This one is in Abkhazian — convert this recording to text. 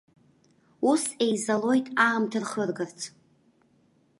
Ус еизалоит, аамҭа рхыргарц.